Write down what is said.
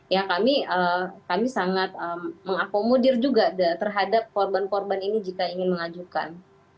ya kami sangat mengakomodir juga terhadap korban korban ini jika ingin mengajukan